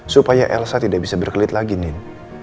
supaya elsa tidak bisa berkelit lagi nin